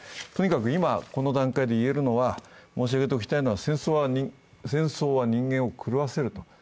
とにかく今この段階で言えるのは、申し上げでおきたいのは、戦争は人間を狂わせる。